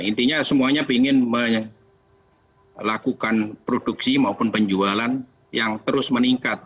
intinya semuanya ingin melakukan produksi maupun penjualan yang terus meningkat